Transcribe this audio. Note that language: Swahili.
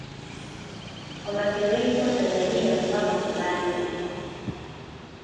Wamasai wengi huko Tanzania huvaa makubazi